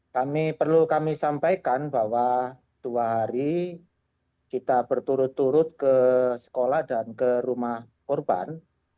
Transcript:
kami perlu kami sampaikan bahwa dua hari kita berturut turut ke sekolah dan ke rumah korban